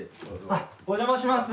あっお邪魔します。